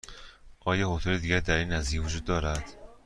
آیا هتل دیگری در این نزدیکی وجود دارد؟